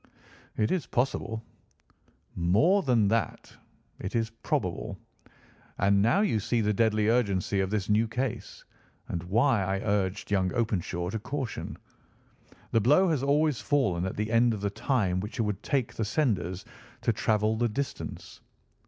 "It is possible." "More than that. It is probable. And now you see the deadly urgency of this new case, and why I urged young Openshaw to caution. The blow has always fallen at the end of the time which it would take the senders to travel the distance.